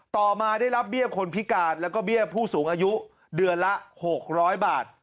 ต่อมาได้รับเบี้ยคนพิการแล้วก็เบี้ยผู้สูงอายุเดือนละ๖๐๐บาท